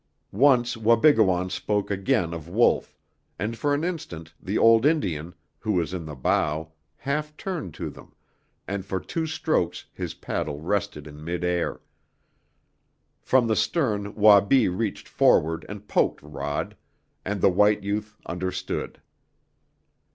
Once Wabigoon spoke again of Wolf, and for an instant the old Indian, who was in the bow, half turned to them, and for two strokes his paddle rested in mid air. From the stern Wabi reached forward and poked Rod, and the white youth understood.